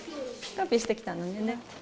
コピーしてきたのね。